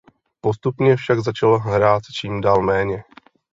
Postupně však začal hrát čím dál méně.